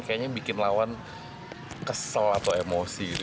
kayaknya bikin lawan kesel atau emosi gitu